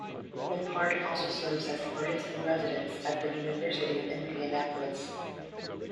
Leppard also serves as Artist-in-Residence at the University of Indianapolis.